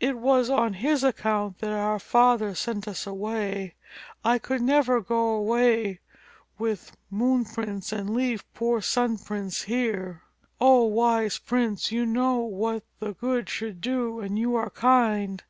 "It was on his account that our father sent us away. I could never go away with Moon Prince and leave poor Sun Prince here." "O Wise Prince, you know what the good should do and you are kind.